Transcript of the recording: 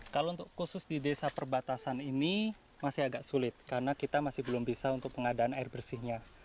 kalau untuk khusus di desa perbatasan ini masih agak sulit karena kita masih belum bisa untuk pengadaan air bersihnya